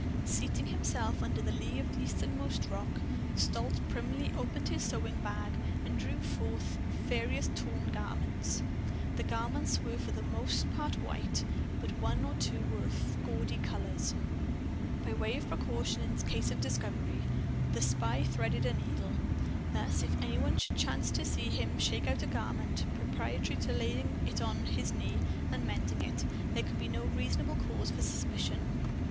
Seating himself under the lee of the easternmost rock, Stolz primly opened his sewing bag and drew forth various torn garments. The garments were for the most part white, but one or two were of gaudy colors. By way of precaution, in case of discovery, the spy threaded a needle. Thus, if any one should chance to see him shake out a garment, preparatory to laying it on his knee and mending it, there could be no reasonable cause for suspicion.